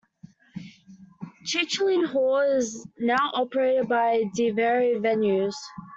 Chicheley Hall is now operated by DeVere Venues.